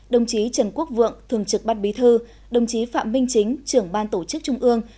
đồng chí trần quốc vượng thường trực ban bí thư đồng chí phạm minh chính trưởng ban tổ chức trung ương